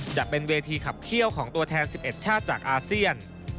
จะเป็นเวทีขับเขี้ยวของตัวแทน๑๑ชาติจากอาเซียน